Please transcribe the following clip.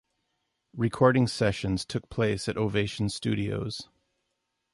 Recording sessions took place at Ovation Studios.